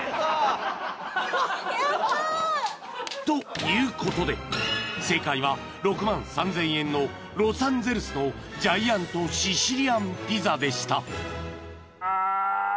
［ということで正解は６万３，０００円のロサンゼルスのジャイアントシシリアンピザでした］